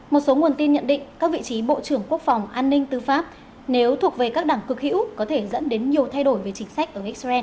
một số nguồn tin nhận định các vị trí bộ trưởng quốc phòng an ninh tư pháp nếu thuộc về các đảng cực hữu có thể dẫn đến nhiều thay đổi về chính sách ở xrn